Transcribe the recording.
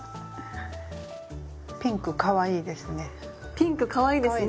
ピンクかわいいですね！